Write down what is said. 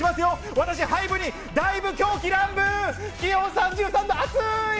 私、ハイブにだいぶ狂喜乱舞、気温３３度、暑い。